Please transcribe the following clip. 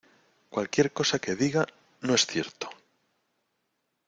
¡ Cualquier cosa que diga, no es cierto!